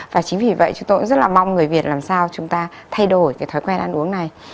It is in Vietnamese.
và chính vì vậy chúng tôi cũng rất là mong người việt làm sao chúng ta thay đổi cái thói quen ăn uống này